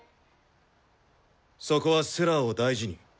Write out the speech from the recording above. そこはスラーを大事に。